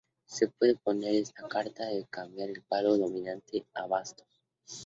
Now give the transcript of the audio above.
Se puede poner esta carta y cambiar el palo dominante a bastos.